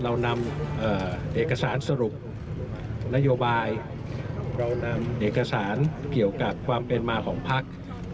เรานำเอกสารสรุปนโยบายเรานำเอกสารเกี่ยวกับความเป็นมาของพัก